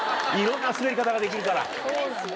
いろんな滑り方ができるから。